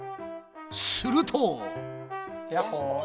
すると。